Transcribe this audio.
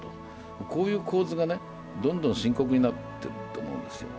こういう構図がどんどん深刻になっていると思うんですよ。